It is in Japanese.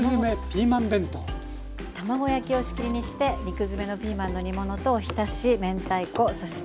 卵焼きを仕切りにして肉詰めのピーマンの煮物とおひたし明太子そして